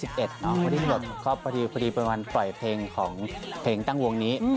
ปกติเป็นวันปล่อยเพลงของเพลงตั้งวงนี้